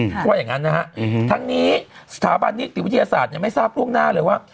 เพราะว่าอย่างนั้นนะฮะทั้งนี้สถาบันนิติวิทยาศาสตร์ไม่ทราบล่วงหน้าเลยว่า